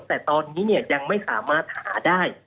แต่ตอนนี้ยังไม่สามารถหาได้